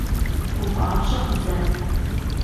ГуфӀапщӀэ къызэт!